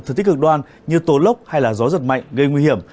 thực tích cực đoan như tố lốc hay gió giật mạnh gây nguy hiểm